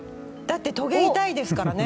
だって、とげ痛いですからね。